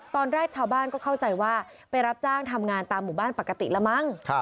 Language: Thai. ตอนแรกชาวบ้านก็เข้าใจว่าไปรับจ้างทำงานตามหมู่บ้านปกติละมั้ง